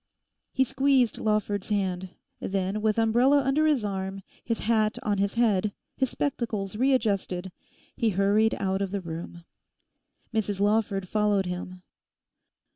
He squeezed Lawford's hand. Then, with umbrella under his arm, his hat on his head, his spectacles readjusted, he hurried out of the room. Mrs Lawford followed him.